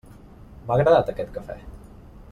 M'ha agradat aquest cafè!